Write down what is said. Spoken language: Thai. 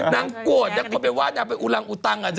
นางโกรธเนี่ยคนไปว่านางเป็นอุลังอุตังอ่ะเซอ